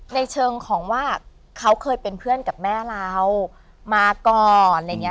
ในเชิงของว่าเขาเคยเป็นเพื่อนกับแม่เรามาก่อน